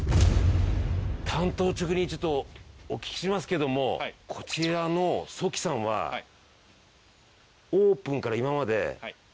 単刀直入にちょっとお聞きしますけどもこちらのＳＯＫＩさんはいや！